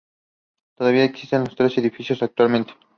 Todavía existen los tres edificios actualmente.